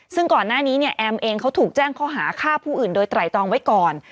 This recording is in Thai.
ซึ่งก่อนหน้านี้เนี่ยแอมเองเขาถูกแจ้งข้อหาฆ่าผู้อื่นโดยไตรตองไว้ก่อน